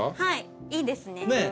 はいいいですね。